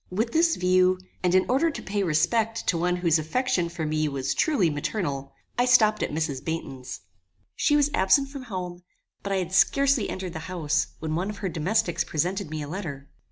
With this view, and in order to pay respect to one whose affection for me was truly maternal, I stopped at Mrs. Baynton's. She was absent from home; but I had scarcely entered the house when one of her domestics presented me a letter.